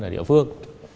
ở địa phương